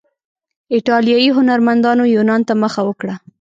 ایټالیایي هنرمندانو یونان ته مخه وکړه.